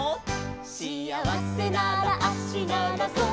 「しあわせなら足ならそう」